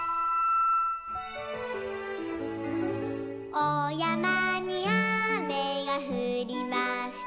「おやまにあめがふりました」